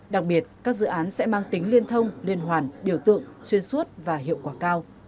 đặc biệt các dự án sẽ mang tính liên thông liên hoàn biểu tượng xuyên suốt và hiệu quả cao